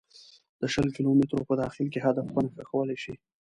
د شل کیلو مترو په داخل کې هدف په نښه کولای شي